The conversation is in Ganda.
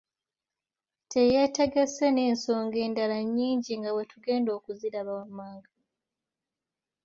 Teyeetegese n’ensonga endala nnyingi nga bwetugenda okuziraba wammanaga.